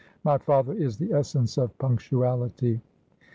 My father is the essence of punctuality.'